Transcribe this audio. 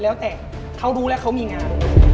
แล้วแต่เขารู้แล้วเขามีงาน